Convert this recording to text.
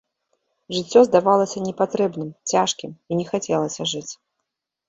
Жыццё здавалася непатрэбным, цяжкім, і не хацелася жыць.